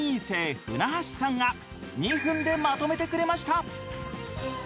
生ふなはしさんが２分でまとめてくれました！